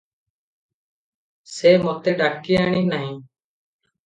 ସେ ମୋତେ ଡାକିଆଣି ନାହିଁ ।